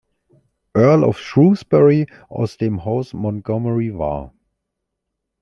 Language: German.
Earl of Shrewsbury aus dem Haus Montgommery war.